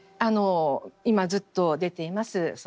今ずっと出ています